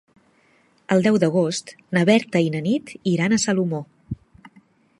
El deu d'agost na Berta i na Nit iran a Salomó.